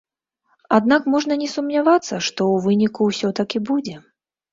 Аднак можна не сумнявацца, што ў выніку ўсё так і будзе.